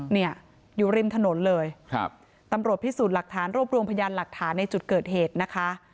เนี่ยอยู่ริมถนนเลยครับตำรวจพิสูจน์หลักฐานรวบรวมพยานหลักฐานในจุดเกิดเหตุนะคะ